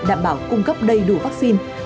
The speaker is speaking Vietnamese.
đảm bảo cung cấp đầy đủ vaccine